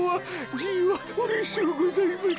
じいはうれしゅうございます。